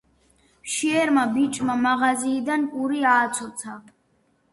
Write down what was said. მშიერმა ბიჭმა მაღაზიიდან პური ააცოცა.